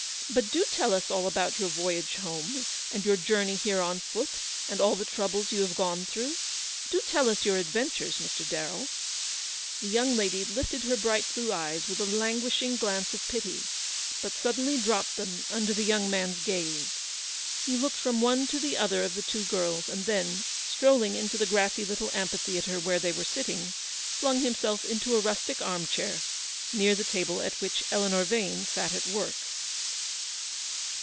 But do tell us all about your voyage home, and your journey here on foot, and all the troubles you have gone through ? Do tell us your adventures, Mr. Darrell? u The young lady lifted her bright blue eyes with a languishing glance of pity; but suddenly dropped them under the young man's gaze. He looked from one to the other of the two girls, and then, strolling into the grassy little amphitheatre where they were sitting, flung himself into a rustic arm chair, near the table at which Eleanor Vane sat at work.